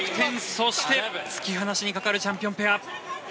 そして、突き放しにかかるチャンピオンペア。